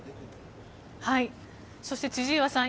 そして、千々岩さん